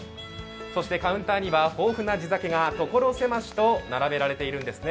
カウンターには豊富な地酒が所狭しと並べられているんですね。